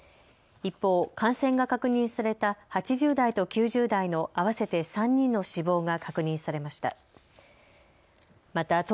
一方、感染が確認された８０代と９０代の合わせて３人の死亡が確認されました。